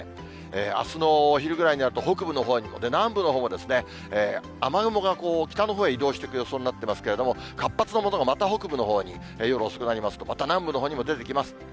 あすのお昼ぐらいになると、北部のほうにもね、南部のほうにも雨雲が北のほうへ移動していく予想になっていますけれども、活発なものがまた北部のほうに、夜遅くなりますと、また南部のほうにも出てきます。